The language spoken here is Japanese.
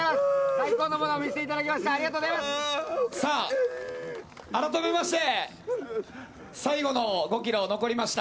最高のものを見せてくれました。